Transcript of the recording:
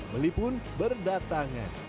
beli pun berdatangan